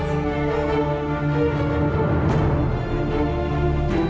saya akan menangkan dia